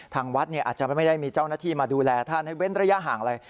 ทางวัดอาจจะไม่ได้มีเจ้าหน้าที่มาดูแลท่านให้เว้นระยะห่างอะไร